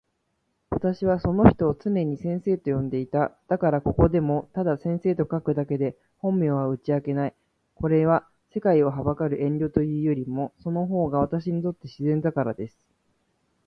私はその人を常に先生と呼んでいた。だからここでもただ先生と書くだけで本名は打ち明けない。これは、世界を憚る遠慮というよりも、その方が私にとって自然だからです。